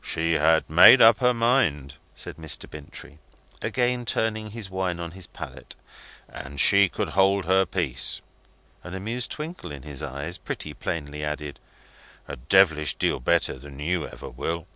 "She had made up her mind," said Mr. Bintrey, again turning his wine on his palate, "and she could hold her peace." An amused twinkle in his eyes pretty plainly added "A devilish deal better than you ever will!"